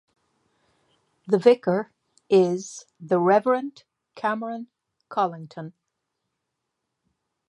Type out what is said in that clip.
The vicar is The Reverend Cameron Collington.